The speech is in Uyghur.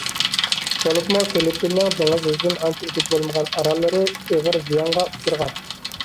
بولۇپمۇ، فىلىپپىننىڭ دېڭىز يۈزىدىن ئانچە ئېگىز بولمىغان ئاراللىرى ئېغىر زىيانغا ئۇچرىغان.